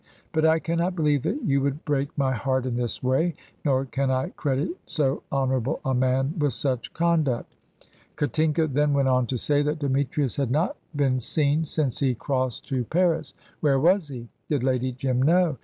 But I cannot believe that you would break my heart in this way, nor can I credit so honourable a man with such conduct." Katinka then went on to say that Demetrius had not been seen since he crossed to Paris. Where was he? Did Lady Jim know?